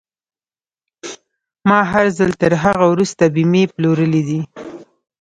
ما هر ځل تر هغه وروسته بيمې پلورلې دي.